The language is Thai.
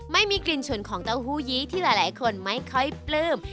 ไม่มีกลิ่นฉุนของเต้าหู้ยี้ที่หลายคนไม่ค่อยปลื้ม